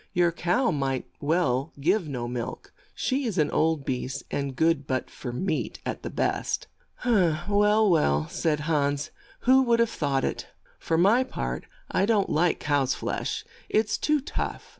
Your cow might well give no milk; 128 HANS IN LUCK she is an old beast, and good but for meat at the best." Well, well, '' said Hans, :' who would have thought it. For my part, I don't like cow's flesh ; it's too tough.